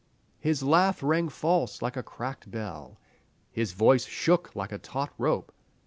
"His laugh rang false, like a cracked bell." "His voice shook like a taut rope."